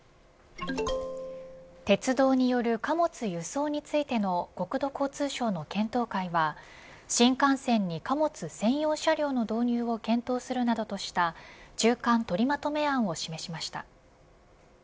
鉄道による貨物輸送についての国土交通省の検討会は新幹線に貨物専用車両の導入を検討するなどとした中間取りまとめ案を示しました。